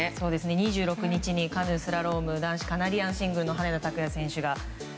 ２６日にカヌースラローム男子カナディアンシングルの羽根田卓也選手が。